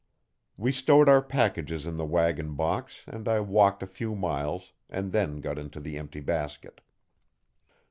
We stowed our packages in the wagon box and I walked a few miles and then got into the empty basket.